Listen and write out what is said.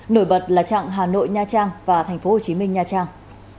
nổi bật là trạng hà nội nha trang và tp hcm nha trang